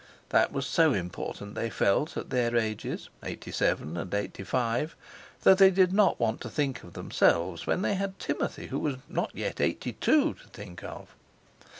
That was so important, they felt, at their ages eighty seven and eighty five; though they did not want to think of themselves when they had Timothy, who was not yet eighty two, to think of.